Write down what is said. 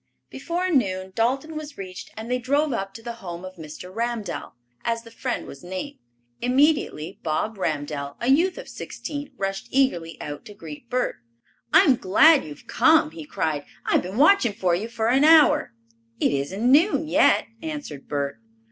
Before noon Dalton was reached and they drove up to the home of Mr. Ramdell, as their friend was named. Immediately Bob Ramdell, a youth of sixteen, rushed eagerly out to greet Bert. "I'm glad you've come," he cried. "I've been watching for you for an hour." "It isn't noon yet," answered Bert.